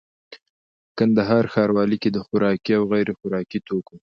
کندهار ښاروالي کي د خوراکي او غیري خوراکي توکو